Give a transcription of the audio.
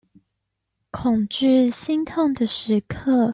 恐懼心痛的時刻